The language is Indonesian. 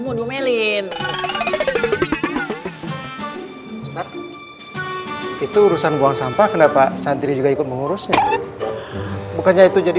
mau ngomelin itu urusan buang sampah kenapa sendiri juga ikut mengurusnya bukannya itu jadi